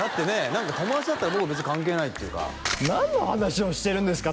何か友達だったらもう別に関係ないっていうか何の話をしてるんですか？